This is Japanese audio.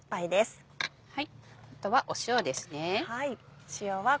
あとは塩ですね。